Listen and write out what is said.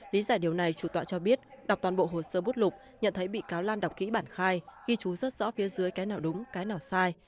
lý giải điều này chủ tọa cho biết đọc toàn bộ hồ sơ bút lục nhận thấy bị cáo lan đọc kỹ bản khai ghi chú rất rõ phía dưới cái nào đúng cái nào sai